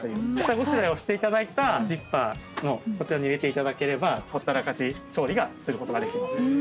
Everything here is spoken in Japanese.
下ごしらえをしていただいたジッパーのこちらに入れていただければほったらかし調理がすることができます。